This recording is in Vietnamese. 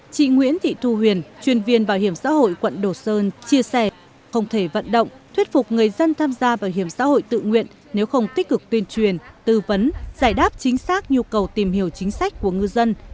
chị nguyễn thị thu huyền chuyên viên bảo hiểm xã hội quận đồ sơn chia sẻ không thể vận động thuyết phục người dân tham gia bảo hiểm xã hội tự nguyện nếu không tích cực tuyên truyền tư vấn giải đáp chính xác nhu cầu tìm hiểu chính sách của ngư dân